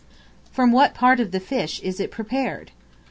From what part of the fish is it prepared?